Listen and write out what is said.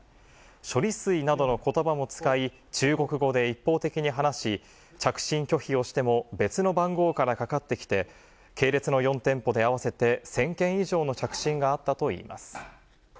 ショリスイなどのことばも使い、中国語で一方的に話し、着信拒否をしても、別の番号からかかってきて、系列の４店舗で合わせて１０００件以上の着信があったといいます。